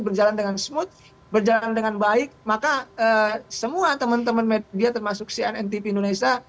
berjalan dengan smooth berjalan dengan baik maka semua teman teman media termasuk cnn tv indonesia